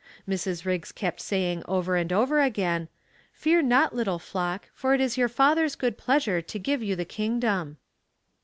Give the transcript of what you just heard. Mrs. Riggs kept saying over and over again, "Fear not, little flock, for it is your Father's good pleasure to give you the kingdom."